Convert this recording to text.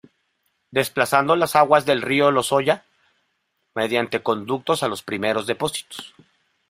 Desplazando las aguas del río Lozoya mediante conductos a los primeros depósitos.